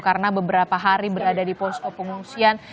karena beberapa hari berada di posko pengungsian